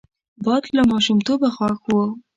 باد له ماشومتوبه خوښ وو